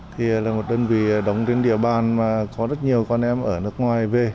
thì là một đơn vị đóng trên địa bàn mà có rất nhiều con em ở nước ngoài về